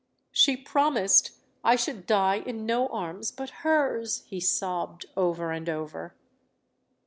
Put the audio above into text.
"She promised I should die in no arms but hers!" he sobbed over and over.